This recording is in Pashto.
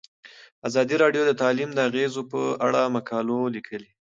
ازادي راډیو د تعلیم د اغیزو په اړه مقالو لیکلي.